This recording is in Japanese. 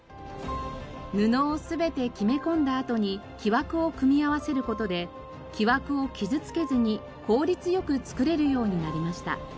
布を全て木目込んだあとに木枠を組み合わせる事で木枠を傷つけずに効率良く作れるようになりました。